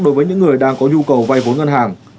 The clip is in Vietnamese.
đối với những người đang có nhu cầu vay vốn ngân hàng